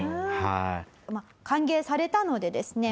歓迎されたのでですね